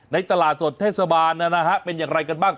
ตลาดสดเทศบาลนะฮะเป็นอย่างไรกันบ้าง